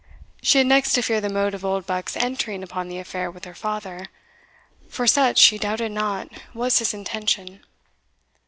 She had next to fear the mode of Oldbuck's entering upon the affair with her father, for such, she doubted not, was his intention.